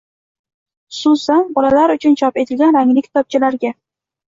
Xususan, bolalar uchun chop etilgan rangli kitobchalarga.